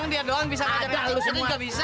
ada lo sendiri gak bisa